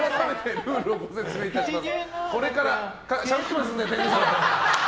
ルールをご説明いたします。